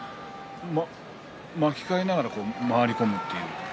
巻き替えながら回り込むという。